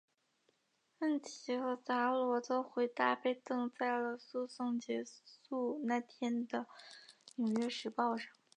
问题和达罗的回答被登在了诉讼结束那天的纽约时报上。